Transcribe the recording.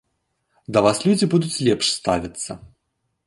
Да вас людзі будуць лепш ставіцца.